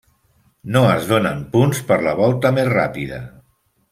No es donen punts per la volta més ràpida.